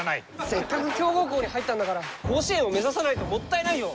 せっかく強豪校に入ったんだから甲子園を目指さないともったいないよ！